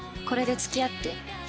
「これで付き合って？」